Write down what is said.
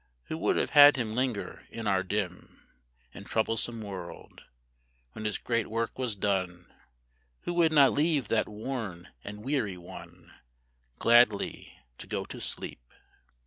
Who would have had him linger in our dim And troublesome world, when his great work was done Who would not leave that worn and weary one Gladly to go to sleep?